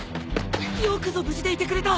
よくぞ無事でいてくれた！